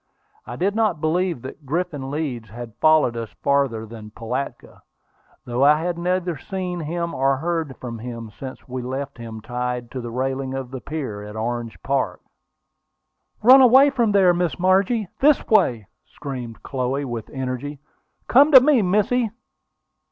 I did not believe that Griffin Leeds had followed us farther than Pilatka, though I had neither seen nor heard from him since we left him tied to the railing of the pier at Orange Park. "Run away from there, Miss Margie! This way!" screamed Chloe, with energy. "Come to me, missy!"